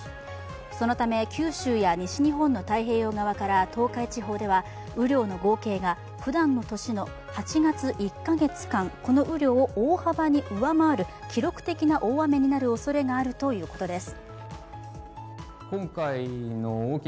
そのため、九州や西日本の太平洋側から東海地方では、雨量の合計がふだんの年の８月１か月間の雨量を大幅に上回る記録的な大雨になるおそれがあるということです。